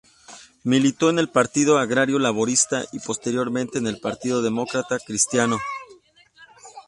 Militó en el Partido Agrario Laborista y posteriormente en el Partido Demócrata Cristiano.